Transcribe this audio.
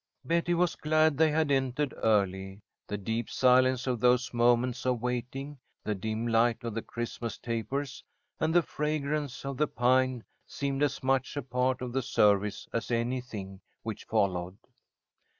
Betty was glad that they had entered early. The deep silence of those moments of waiting, the dim light of the Christmas tapers, and the fragrance of the pine seemed as much a part of the service as anything which followed.